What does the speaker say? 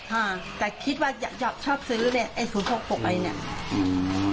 ฮะแต่คิดว่าชอบซื้อเนี่ยไอ้๐๖๖ไอ้เนี่ยอืม